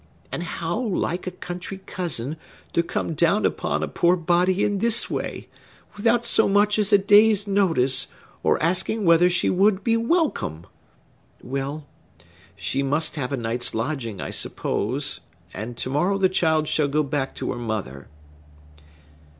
And how like a country cousin, to come down upon a poor body in this way, without so much as a day's notice, or asking whether she would be welcome! Well; she must have a night's lodging, I suppose; and to morrow the child shall go back to her mother."